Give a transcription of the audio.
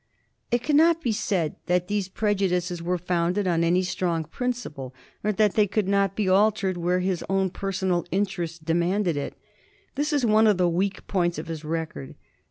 It cannot be said that these prejudices were founded on any strong principle, or that they could not be altered where his own personal interests demanded it. This is one of the weak points of his record.